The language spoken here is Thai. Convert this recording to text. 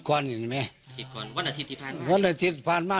คนนี้ใช่ไหมครับที่นักบิทยา